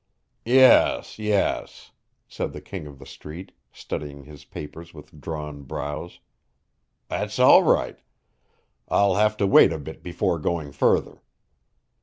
"Yes, yes," said the King of the Street, studying his papers with drawn brows. "That's all right. I'll have to wait a bit before going further."